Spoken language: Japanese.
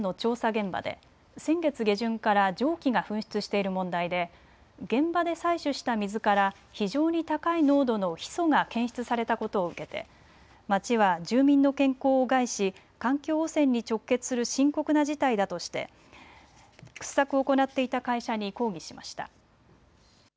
現場で先月下旬から蒸気が噴出している問題で現場で採取した水から非常に高い濃度のヒ素が検出されたことを受けて町は住民の健康を害し環境汚染に直結する深刻な事態だとして掘削を行っていた会社に抗議しました。